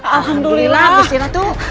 alhamdulillah gusti ratu